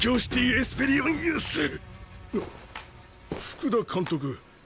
福田監督。